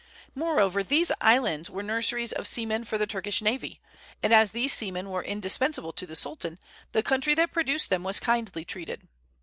Moreover, these islands were nurseries of seamen for the Turkish navy; and as these seamen were indispensable to the Sultan, the country that produced them was kindly treated.